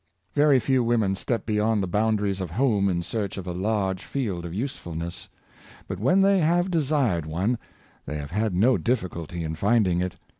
Very few women step beyond the boundaries of home in search 4:6S Story of Sarah Martin, of a larger field of usefulness. But when they have de sired one, they have had no difficulty in finding it.